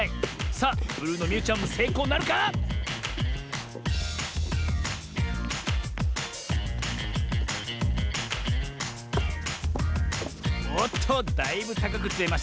さあブルーのみゆちゃんもせいこうなるか⁉おっとだいぶたかくつめましたねえ。